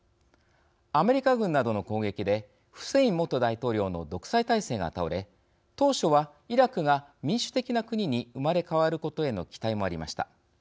アメリカ軍などの攻撃でフセイン元大統領の独裁体制が倒れ当初は、イラクが民主的な国に生まれ変わることへの期待もありました。